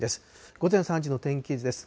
午前３時の天気図です。